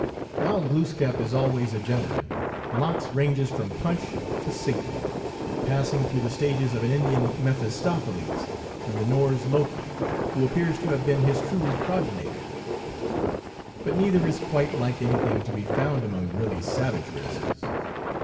While Glooskap is always a gen tleman, Lox ranges from Punch to Satan, passing through the stages of an Indian Mephistopheles and the Norse Loki, who appears to have been his true progenitor. But neither is quite like anything to be found among really savage races.